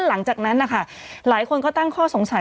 หลังจากนั้นนหลายคนต้องคอสงสัย